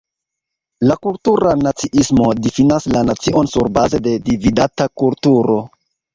La "kultura naciismo" difinas la nacion surbaze de dividata kulturo.